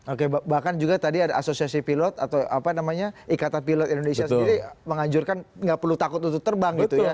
oke bahkan juga tadi ada asosiasi pilot atau apa namanya ikatan pilot indonesia sendiri menganjurkan nggak perlu takut untuk terbang gitu ya